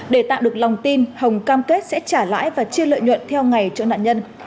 để tạo được lòng tin hồng cam kết sẽ trả lãi và chia lợi nhuận theo ngày cho nạn nhân